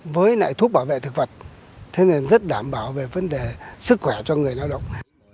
với lại thuốc bảo vệ thực vật thế nên rất đảm bảo về vấn đề sức khỏe cho người lao động